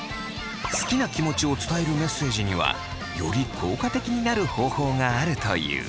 好きな気持ちを伝えるメッセージにはより効果的になる方法があるという。